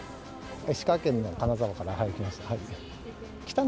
石川県の金沢から来ました。